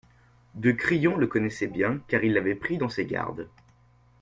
de Crillon le connaissait bien, car il l'avait pris dans ses gardes.